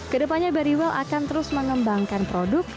kedepannya berrywell akan terus mengembangkan produk